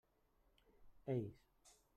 Ells.